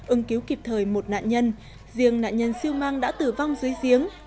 ưng cứu kịp thời một nạn nhân riêng nạn nhân siêu mang đã tử vong dưới giếng